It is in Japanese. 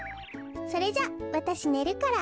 それじゃわたしねるから。